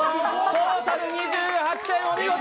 トータル２８点お見事！